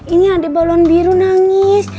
ini ada balon biru nangis